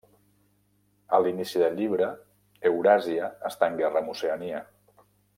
A l'inici del llibre, Euràsia està en guerra amb Oceania.